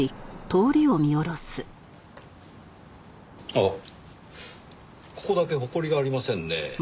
あっここだけ埃がありませんね。